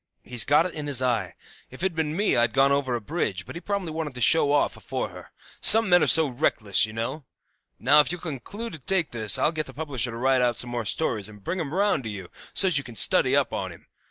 He's got it in his eye. If it'd been me I'd gone over on a bridge; but he probably wanted to show off afore her; some men are so reckless, you know. Now, if you'll conclude to take this I'll get the publisher to write out some more stories, and bring 'em round to you, so's you can study up on him.